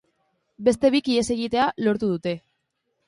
Beste bik ihes egitea lortu dute.